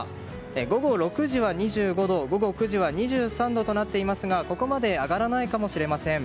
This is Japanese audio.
午後６時は２５度午後９時は２３度となっていますがここまで上がらないかもしれません。